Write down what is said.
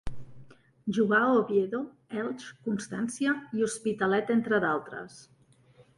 Jugà a Oviedo, Elx, Constància i Hospitalet, entre d'altres.